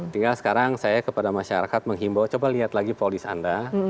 tinggal sekarang saya kepada masyarakat menghimbau coba lihat lagi polis anda